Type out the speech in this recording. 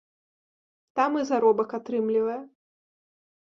Там і заробак атрымлівае.